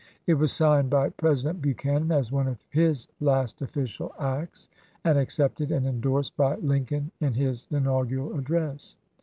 It was signed by President Buchanan as one of his last official acts, and accepted and indorsed by Lincoln in his inaugural address.